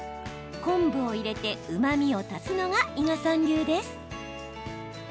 昆布を入れてうまみを足すのが伊賀さん流です。